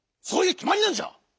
そういうきまりなんじゃ！